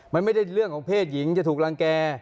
มันไม่ได้เรื่องของเพศหญิงจะถูกรังแก่